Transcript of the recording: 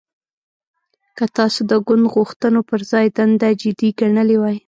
که تاسو د ګوند غوښتنو پر ځای دنده جدي ګڼلې وای